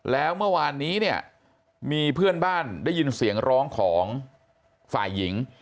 แล้วเมื่อวานนี้เนี่ยมีเพื่อนบ้านได้ยินเสียงร้องของฝ่ายหญิง